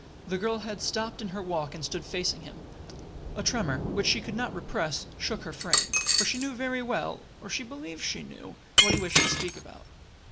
The girl had stopped in her walk and stood facing him. A tremor, which she could not repress, shook her frame; for she knew very well, or she believed she knew, what he wished to speak about.